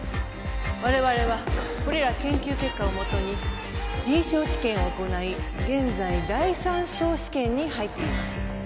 我々はこれら研究結果をもとに臨床試験を行い現在第Ⅲ相試験に入っています